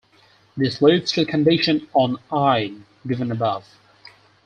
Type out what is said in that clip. This leads to the condition on "l" given above.